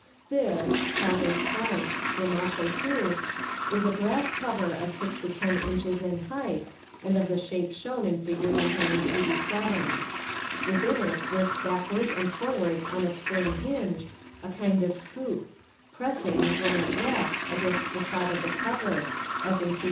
— Thi; (cafled in French "r amass e touf) is a brass cover of six to ten inches in height, and of the shape shown in Fig. 187. Within it works backwards and forwards on a spring hinge, a kind of scoop, pressing, when at rest, against the side of the cover, as in Fig.